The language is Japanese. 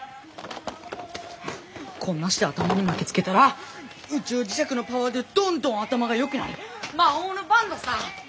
こんなして頭に巻きつけたら宇宙磁石のパワーでどんどん頭がよくなる魔法のバンドさぁ！